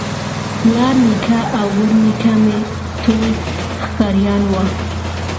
پلار نیکه او ورنیکه مي ټول ښکاریان وه